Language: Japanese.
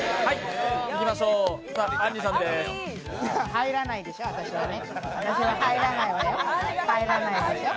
入らないでしょ、私はね。